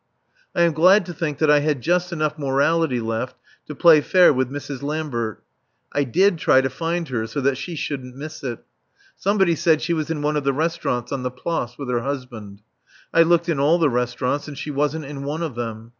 I am glad to think that I had just enough morality left to play fair with Mrs. Lambert. I did try to find her, so that she shouldn't miss it. Somebody said she was in one of the restaurants on the Place with her husband. I looked in all the restaurants and she wasn't in one of them.